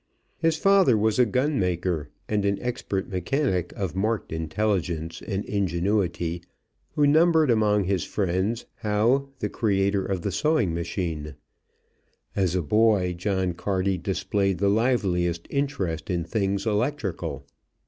His father was a gun maker and an expert mechanic of marked intelligence and ingenuity who numbered among his friends Howe, the creator of the sewing machine. As a boy John Carty displayed the liveliest interest in things electrical.